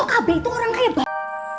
oh okb itu orang kayak